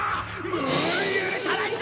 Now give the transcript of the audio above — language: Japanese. もう許さないぞ！